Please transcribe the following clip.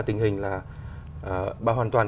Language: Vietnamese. tình hình là bà hoàn toàn